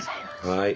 はい。